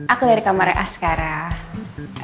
aku dari kamarnya sekarang